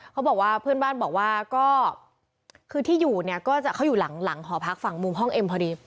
เขาบอกว่าเพื่อนบ้านบอกว่าก็คือที่อยู่เนี่ยก็จะเขาอยู่หลังหอพักฝั่งมุมห้องเอ็มพอดี